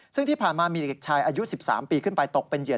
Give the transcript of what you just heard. ซึ่งที่ผ่านมามีเด็กชายอายุ๑๓ปีขึ้นไปตกเป็นเหยื่อ